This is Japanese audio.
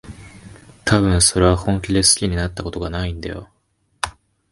たぶん、それは本気で好きになったことがないんだよ。